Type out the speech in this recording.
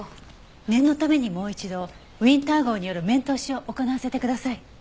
念のためにもう一度ウィンター号による面通しを行わせてください。